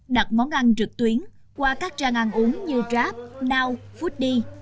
đặt món ăn trực tuyến qua các trang ăn uống như grab now foody